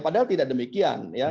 padahal tidak demikian